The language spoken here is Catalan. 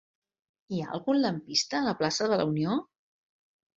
Hi ha algun lampista a la plaça de la Unió?